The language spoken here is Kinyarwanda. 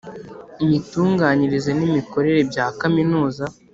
imitunganyirize n imikorere bya Kaminuza